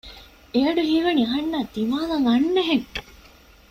އެ އަޑު ހީވަނީ އަހަންނާއި ދިމާލަށް އަންނަހެން